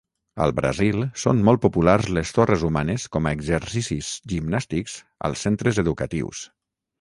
Al Brasil són molt populars les torres humanes com a exercicis gimnàstics als centres educatius.